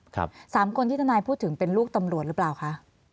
สามคนที่ทนายพูดถึงเป็นลูกตำรวจหรือเปล่าคะ